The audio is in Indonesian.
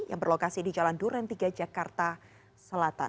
yang berlokasi di jalan duren tiga jakarta selatan